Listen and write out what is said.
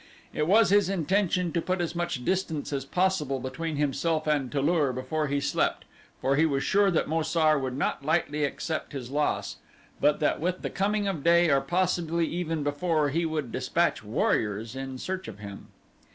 It was his intention to put as much distance as possible between himself and Tu lur before he slept for he was sure that Mo sar would not lightly accept his loss, but that with the coming of day, or possibly even before, he would dispatch warriors in search of him.